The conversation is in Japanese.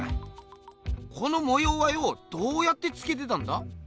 この模様はよどうやってつけてたんだ？